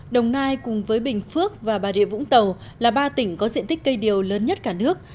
đồng nai cùng với bình phước và bà rịa vũng tàu là ba tỉnh có diện tích cây điều lớn nhất cả nước